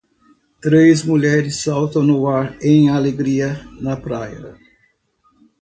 Três mulheres saltam no ar em alegria na praia.